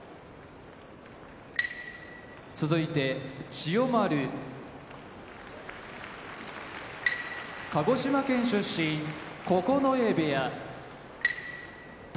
千代丸鹿児島県出身九重部屋宝